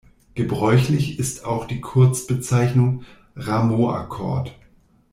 Gebräuchlich ist auch die Kurzbezeichnung „Rameau-Akkord“.